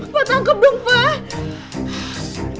pak tangkep dong pak